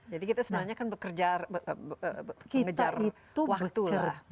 jadi kita sebenarnya kan bekerja mengejar waktulah